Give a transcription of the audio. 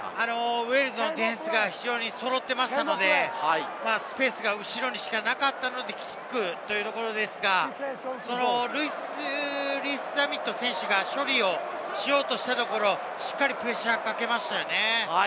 ウェールズのディフェンスが揃っていましたので、スペースが後ろにしかなかったのでキックということですが、ルイス・リース＝ザミット選手が処理をしようとしたところ、プレッシャーをかけましたね。